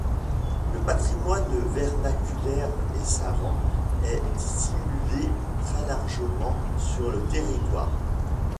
Le patrimoine, vernaculaire et savant, est disséminé très largement sur le territoire.